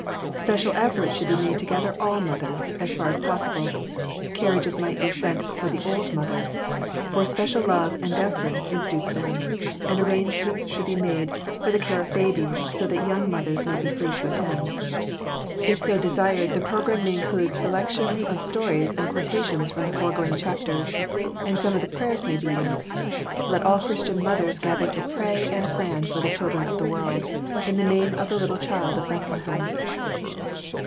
Special efforts should be made to gather all mothers, as far as possible; carriages might be sent for the old mothers, for special love and deference is due to them; and arrangements should be made for care of babies, so that young mothers may be free to attend. If so desired, the program may include selections of stories and quotations from the foregoing chapters, and some of the prayers may be used. Let all Christian mothers gather to pray and plan for the children of the world, in the Name of the little Child of Bethlehem.